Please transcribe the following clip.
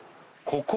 ここ？